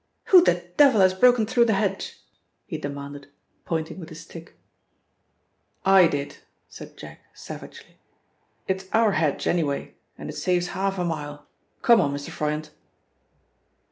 "Who the devil has broken through the hedge?" he demanded, pointing with his stick. "I did," said Jack savagely. "It is our hedge, anyway, and it saves half a mile come on, Mr. Froyant."